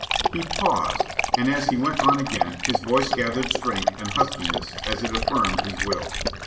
He paused, and, as he went on again, his voice gathered strength and huskiness as it affirmed his will.